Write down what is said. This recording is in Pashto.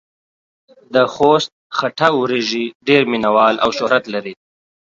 دخوست خټه وريژې ډېر مينه وال او شهرت لري.